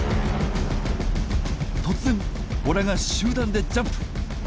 突然ボラが集団でジャンプ！